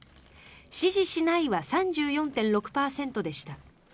支持しないは３４．６％でした。